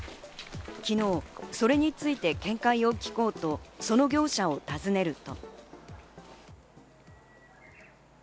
昨日、それについて見解を聞こうとその業者を訪ねると。